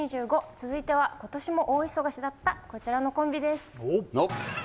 続いては、ことしも大忙しだったこちらのコンビです。